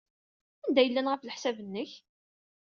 Anda ay llan, ɣef leḥsab-nnek?